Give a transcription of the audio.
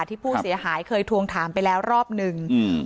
ที่ผู้เสียหายเคยทวงถามไปแล้วรอบหนึ่งอืม